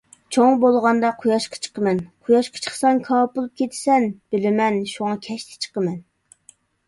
_ چوڭ بولغاندا، قۇياشقا چىقىمەن. _ قۇياشقا چىقساڭ، كاۋاپ بولۇپ كېتىسەن. _ بىلىمەن، شۇڭا كەچتە چىقىمەن.